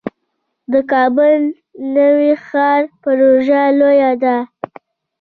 د کابل نوی ښار پروژه لویه ده